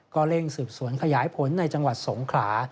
เร่งสืบสวนขยายผลในจังหวัดสงขลา